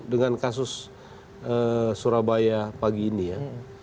dengan kasus surabaya pagi ini ya